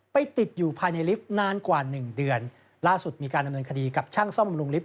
ติดอยู่ภายในลิฟต์นานกว่าหนึ่งเดือนล่าสุดมีการดำเนินคดีกับช่างซ่อมบำรุงลิฟต